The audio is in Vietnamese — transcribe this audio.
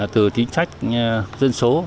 từ chính sách dân số